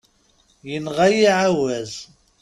Yenɣa-yi ɛawaz.